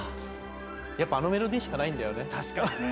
やっぱあのメロディーしかないんだよね。